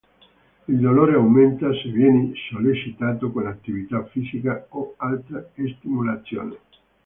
Il dolore aumenta se viene sollecitato con attività fisica o altra stimolazione.